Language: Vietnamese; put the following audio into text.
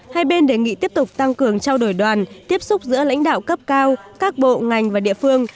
hai bên đề nghị tiếp tục tăng cường trao đổi đoàn tiếp xúc giữa lãnh đạo cấp cao các bộ ngành và địa phương